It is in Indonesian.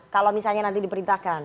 kalau misalnya nanti diperintahkan